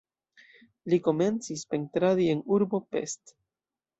Li komencis pentradi en urbo Pest.